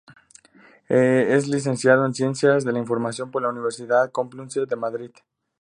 Es licenciado en ciencias de la Información por la Universidad Complutense de Madrid.